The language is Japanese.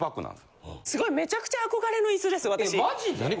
すごいめちゃくちゃ憧れのイスですよ